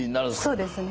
そうですね。